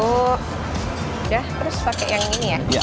udah terus pakai yang ini ya